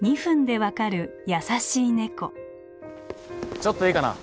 ちょっといいかな？